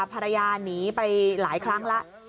ภรรยาหนีไปหลายครั้งแล้ว